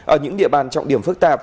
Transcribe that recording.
ở những địa bàn trọng điểm phức tạp